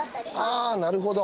ああなるほど。